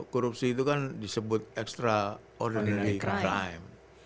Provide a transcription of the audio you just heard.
korupsi itu kan disebut extra ordinary crime